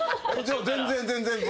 全然全然。